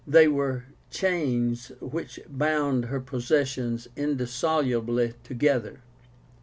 They were chains which bound her possessions indissolubly together.